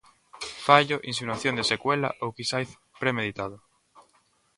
Fallo, insinuación de secuela ou quizais premeditado?